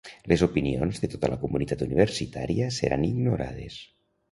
Les opinions de tota la comunitat universitària seran ignorades.